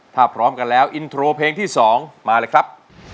ถ้าพร้อมกันแล้วอินโทรเพลงที่๒มาเลยครับ